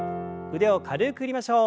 腕を軽く振りましょう。